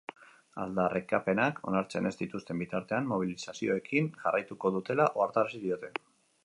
Aldarrikapenak onartzen ez dituzten bitartean mobilizazioekin jarraituko dutela ohartarazi diote.